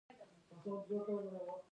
زه تل متقابل احترام لرم.